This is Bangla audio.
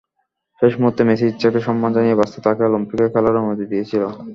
শেষ মুহূর্তে মেসির ইচ্ছাকে সম্মান জানিয়ে বার্সা তাঁকে অলিম্পিকে খেলার অনুমতি দিয়েছিল।